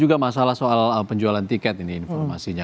ada masalah soal penyelamat ada masalah soal penjualan tiket ini informasinya